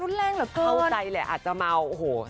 รุ่นแรงเหรอเพลินเข้าใจแหละอาจจะเมา